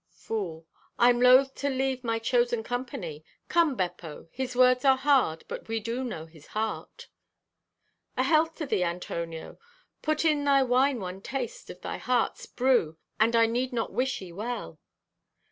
(Fool) "I'm loth to leave my chosen company. Come, Beppo, his words are hard, but we do know his heart. "A health to thee, Antonio. Put in thy wine one taste of thy heart's brew and I need not wish ye well.